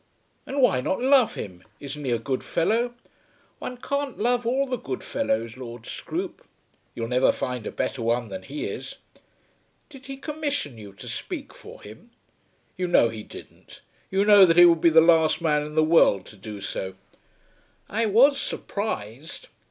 "And why not love him? Isn't he a good fellow?" "One can't love all the good fellows, Lord Scroope." "You'll never find a better one than he is." "Did he commission you to speak for him?" "You know he didn't. You know that he would be the last man in the world to do so?" "I was surprised."